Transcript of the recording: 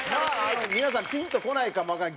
皆さんピンとこないかもわかんない。